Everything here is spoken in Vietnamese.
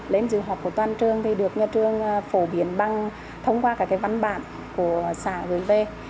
lên dự họp của toàn trường thì được nhà trường phổ biến bằng thông qua cả cái văn bản của xã gửi về